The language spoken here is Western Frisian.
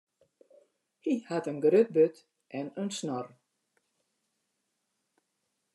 Hy hat in grut burd en in snor.